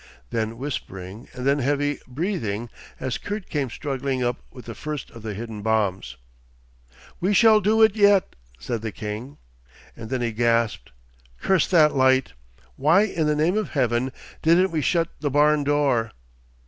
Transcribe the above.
Then whispering and then heavy breathing as Kurt came struggling up with the first of the hidden bombs. 'We shall do it yet,' said the king. And then he gasped. 'Curse that light. Why in the name of Heaven didn't we shut the barn door?